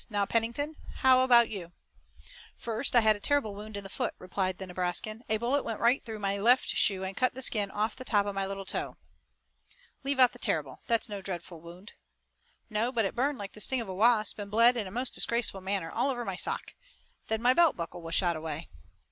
Now, Pennington, how about you?" "First I had a terrible wound in the foot," replied the Nebraskan. "A bullet went right through my left shoe and cut the skin off the top of my little toe." "Leave out the 'terrible.' That's no dreadful wound." "No, but it burned like the sting of a wasp and bled in a most disgraceful manner all over my sock. Then my belt buckle was shot away."